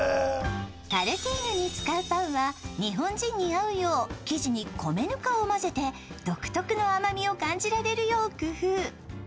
タルティーヌに使うパンは日本人に合うよう生地に米ぬかを混ぜて、独特の甘みを感じられるよう工夫。